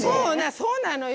そうなのよ。